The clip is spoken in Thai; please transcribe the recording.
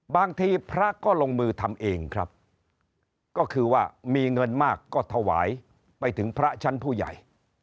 บางทีพระก็ลงมือทำเองครับก็คือว่ามีเงินมากก็ถวายไปถึงพระชั้นผู้ใหญ่